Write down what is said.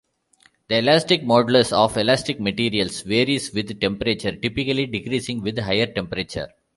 The elastic modulus of elastic materials varies with temperature, typically decreasing with higher temperature.